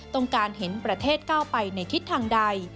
ต้องการเห็นประเทศก้าวไปในทิศทางใด